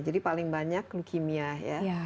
jadi paling banyak leukemia ya